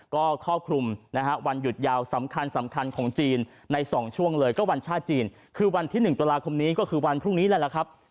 ก็ครอบคลุมนะฮะวันหยุดยาวสำคัญสำคัญของจีนใน๒ช่วงเลยก็วันชาติจีนคือวันที่๑ตุลาคมนี้ก็คือวันพรุ่งนี้แหละครับ